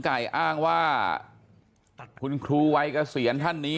คนทั้งหมดอยู่ที่สารแท่งก็มี